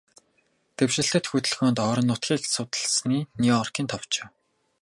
Дэвшилтэт хөдөлгөөнд, орон нутгийн судалгааны Нью-Йоркийн товчоо